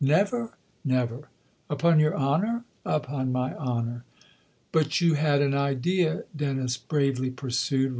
" Never ?"" Never." " Upon your honour ?"" Upon my honour." " But you had an idea ?" Dennis bravely pursued.